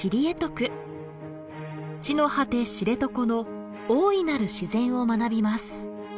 地の涯知床の大いなる自然を学びます。